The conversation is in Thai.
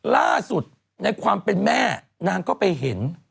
ล่าสุดในความเป็นแม่นางก็ไปเห็น